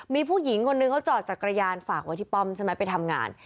มีผู้หญิงคนนึงเขาจอดจักรยานฝากไว้ที่ป้อมใช่ไหมไปทำงาน